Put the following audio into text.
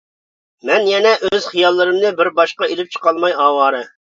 مەن يەنە ئۆز خىياللىرىمنى بىر باشقا ئېلىپ چىقالماي ئاۋارە.